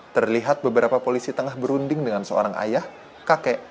terlihat beberapa polisi tengah berunding dengan seorang ayah kakek